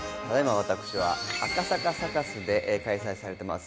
私は赤坂サカスで開催されてます